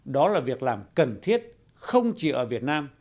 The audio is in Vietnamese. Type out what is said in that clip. đó là việc làm cần thiết không chỉ ở việt nam